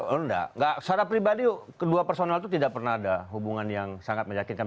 oh enggak enggak secara pribadi kedua personal itu tidak pernah ada hubungan yang sangat meyakinkan